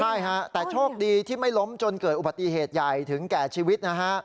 ใช่ฮะแต่โชคดีที่ไม่ล้มจนเกิดอุบัติเหตุใหญ่ถึงแก่ชีวิตนะฮะ